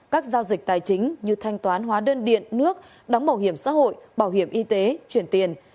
các giao dịch tài chính như thanh toán hóa đơn điện nước đóng bảo hiểm xã hội bảo hiểm y tế chuyển tiền